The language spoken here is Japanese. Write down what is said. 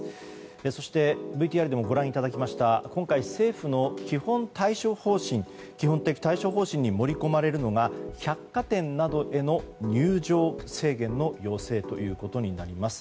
そしてＶＴＲでもご覧いただきました今回、政府の基本的対処方針に盛り込まれるのが百貨店などへの入場制限の要請となります。